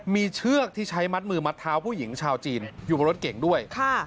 มีเชือกที่ใช้มัดมือมัดเท้าผู้หญิงชาวจีนอยู่บนรถเก่งด้วย